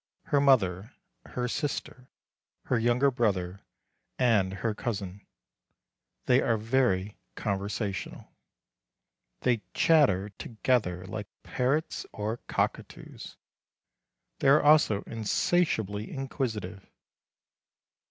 Her mother, her sister, her younger brother, and her cousin. They are very conversational. They chatter together like parrots or cockatoos. They are also insatiably inquisitive.